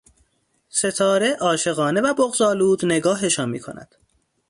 ستاره عاشقانه و بغضآلود نگاهشان میکند